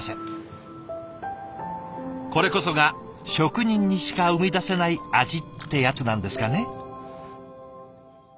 これこそが職人にしか生み出せない味ってやつなんですかね。